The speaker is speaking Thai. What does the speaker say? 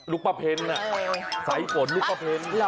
ลูกป้าเพ้นน่ะสายผนลูกป้าเพ้นน่ะ